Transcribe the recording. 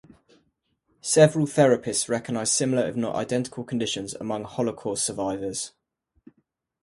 Several therapists recognized similar if not identical conditions among Holocaust survivors.